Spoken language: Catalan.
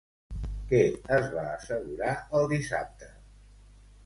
Què es va assegurar el dissabte?